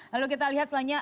lalu kita lihat selanjutnya